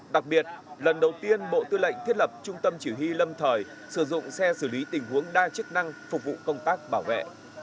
đặc biệt lần đầu tiên bộ tư lệnh thiết lập trung tâm chỉ huy lâm thời sử dụng xe xử lý tình huống đa chức năng phục vụ công tác bảo vệ